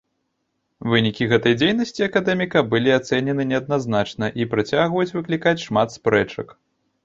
Вынікі гэтай дзейнасці акадэміка былі ацэнены неадназначна і працягваюць выклікаць шмат спрэчак.